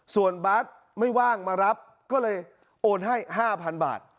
ส่วนบาทไม่ว่างมารับก็เลยโอนให้๕๐๐๐บาท